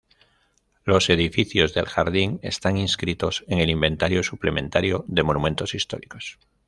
Los edificios del jardín están inscritos en el inventario suplementario de monumentos históricos.